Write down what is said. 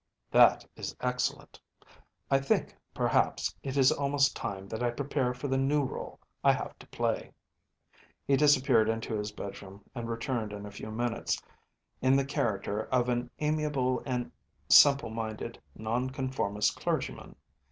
‚ÄĚ “That is excellent. I think, perhaps, it is almost time that I prepare for the new role I have to play.‚ÄĚ He disappeared into his bedroom and returned in a few minutes in the character of an amiable and simple minded Nonconformist clergyman.